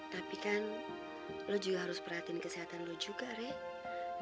tapi kan lo juga harus perhatiin kesehatan lo juga rek